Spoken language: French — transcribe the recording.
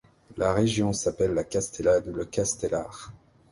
La région s'appelle la Castelade ou le Castelar.